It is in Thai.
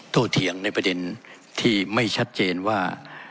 เถียงในประเด็นที่ไม่ชัดเจนว่า